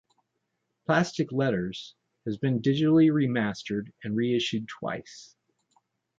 "Plastic Letters" has been digitally remastered and re-issued twice.